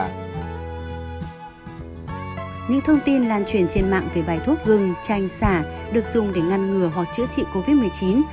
những thông tin lan truyền trên mạng về bài thuốc gừng tranh xả được dùng để ngăn ngừa hoặc chữa trị covid một mươi chín